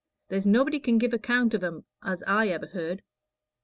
There's nobody can give account of 'em as I ever heard."